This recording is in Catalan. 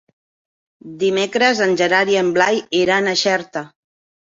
Dimecres en Gerard i en Blai iran a Xerta.